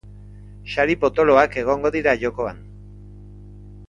Sari potoloak egongo dira jokoan.